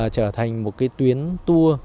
trở thành một cái tuyến tour